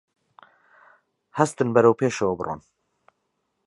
هەستن بەرەو پێشەوە بڕۆن